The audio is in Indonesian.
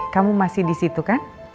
kamu masih disitu kan